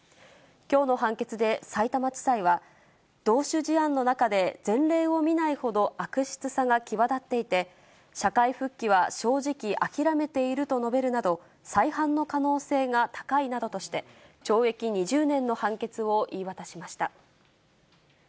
きょうの判決でさいたま地裁は、同種事案の中で前例を見ないほど悪質さが際立っていて、社会復帰は正直、諦めていると述べるなど、再犯の可能性が高いなどとして、懲役２０年の判決を言い渡しました。